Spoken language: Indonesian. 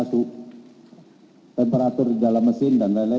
satu temperatur di dalam mesin dan lain lain